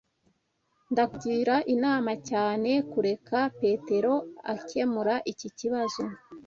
Ndakugira inama cyane kureka Petero akemura iki kibazo.